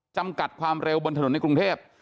จำกัดความเร็วบนถนนในกรุงเทพ